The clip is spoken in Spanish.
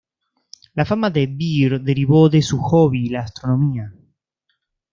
La fama de Beer derivó de su hobby, la astronomía.